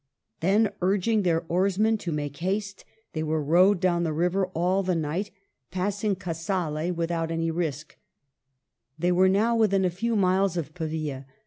Then, urg ing their oarsmen to make haste, they were rowed down the river all the night, passing Casale with THE LEAGUE WITH SOLIMAN. 191 out any risk. They were now within a few miles of Pavia.